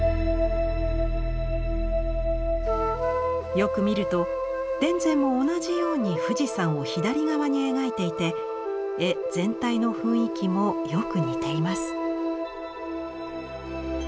よく見ると田善も同じように富士山を左側に描いていて絵全体の雰囲気もよく似ています。